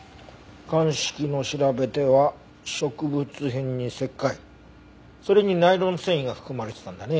鑑識の調べでは植物片に石灰それにナイロン繊維が含まれてたんだね。